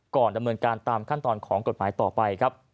ก่อนดำเนินการตามขั้นตอนของกฎหมายต่อไป